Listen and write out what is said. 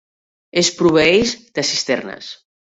Es proveeix de cisternes.